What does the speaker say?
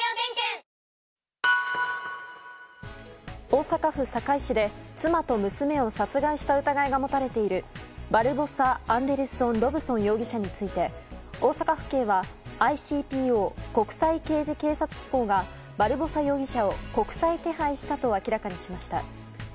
大阪府堺市で妻と娘を殺害した疑いが持たれているバルボサ・アンデルソン・ロブソン容疑者について大阪府警はＩＣＰＯ・国際刑事警察機構がバルボサ容疑者を国際手配したと明らかにしました。